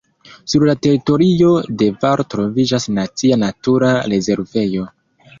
Sur la teritorio de valo troviĝas nacia natura rezervejo.